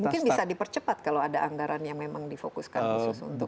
mungkin bisa dipercepat kalau ada anggaran yang memang difokuskan khusus untuk